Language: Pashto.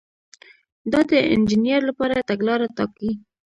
دا د انجینر لپاره تګلاره ټاکي.